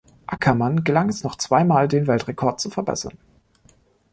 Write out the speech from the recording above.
Ackermann gelang es noch zweimal, den Weltrekord zu verbessern.